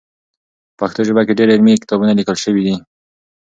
په پښتو ژبه کې ډېر علمي کتابونه لیکل سوي دي.